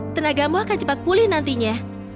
tenagamu akan cepat pulih nantinya